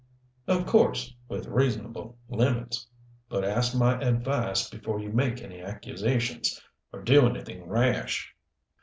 "Of course with reasonable limits. But ask my advice before you make any accusations or do anything rash."